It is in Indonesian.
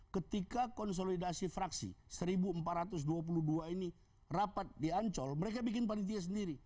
ketika konsolidasi fraksi seribu empat ratus dua puluh dua ini rapat di ancol mereka bikin panitia sendiri